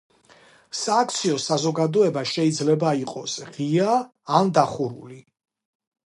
სააქციო საზოგადოება შეიძლება იყოს ღია ან დახურული.